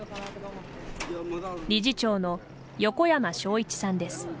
理事長の横山昌市さんです。